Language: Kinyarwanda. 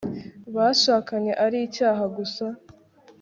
bashakanye ari icyaha gusa